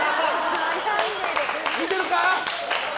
見てるか！